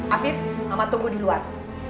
afif mama tunggu di luar